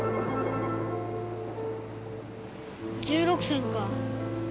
１６銭か。